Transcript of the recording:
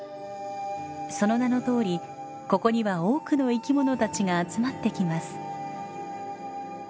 その名のとおりここには多くの生き物たちが集まってきます。